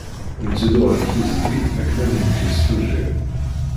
Nteddu ɣer tiẓgi akken ad d-nekkes tujjal.